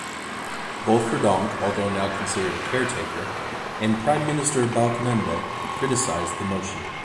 Both Verdonk, although now considered a 'caretaker', and Prime Minister Balkenende criticized the motion.